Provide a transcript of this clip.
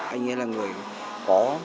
anh ấy là người có